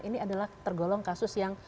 ini adalah tergolong kasus yang